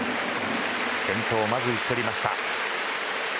先頭、まず打ち取りました。